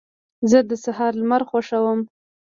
زه د سهار لمر خوښوم.